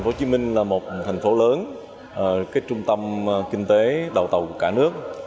tp hcm là một thành phố lớn trung tâm kinh tế đào tạo của cả nước